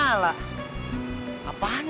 tidak ada alamatnya